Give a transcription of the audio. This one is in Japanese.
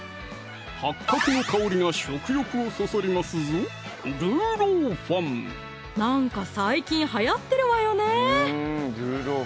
八角の香りが食欲をそそりますぞなんか最近はやってるわよね